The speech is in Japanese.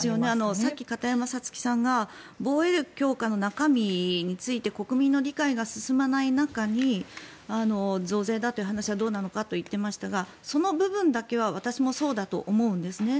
さっき片山さつきさんが防衛力強化の中身について国民の理解が進まないままに増税だという話はどうなのかと言っていましたがその部分だけは私もそうだと思うんですね。